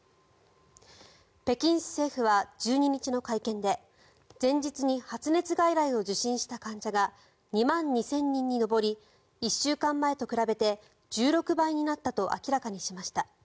北京市政府は１２日の会見で前日に発熱外来を受診した患者が２万２０００人に上り１週間前と比べて１６倍になったと明らかにしました。